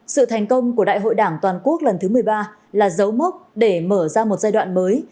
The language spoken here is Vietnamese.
sự thành công của đại hội đảng toàn quốc lần thứ một mươi ba là dấu mốc để mở ra một giai đoạn mới